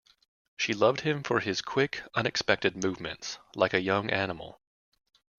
She loved him for his quick, unexpected movements, like a young animal.